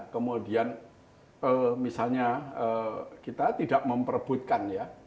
kemudian misalnya kita tidak memperbutkan ya